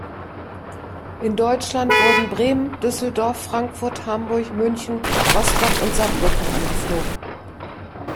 In Deutschland wurden Bremen, Düsseldorf, Frankfurt, Hamburg, München, Rostock und Saarbrücken angeflogen.